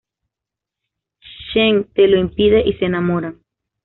Shen Te lo impide y se enamoran.